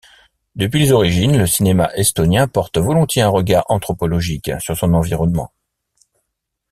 Depuis les origines le cinéma estonien porte volontiers un regard anthropologique sur son environnement.